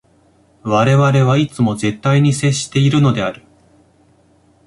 我々はいつも絶対に接しているのである。